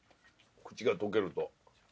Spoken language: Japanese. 口が溶けると。